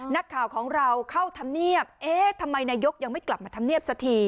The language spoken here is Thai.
นักข่าวของเราเข้าธรรมเนียบเอ๊ะทำไมนายกยังไม่กลับมาทำเนียบสักที